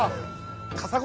カサゴ！